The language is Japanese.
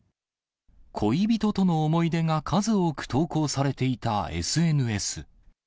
恋人との思い出が数多く投稿されていたＳＮＳ。